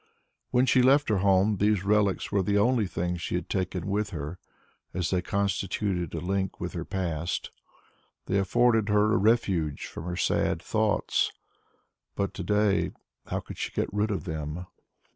When she left her home these relics were the only things she had taken with her as they constituted a link with her past; they afforded her a refuge from her sad thoughts. But to day, how could she get rid of them?